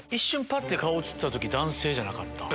ぱって顔映った時男性じゃなかった？